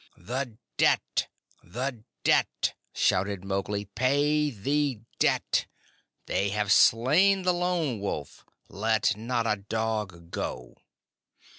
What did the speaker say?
"The debt! The debt!" shouted Mowgli. "Pay the debt! They have slain the Lone Wolf! Let not a dog go!"